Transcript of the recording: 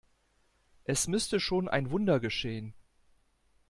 Es müsste schon ein Wunder geschehen.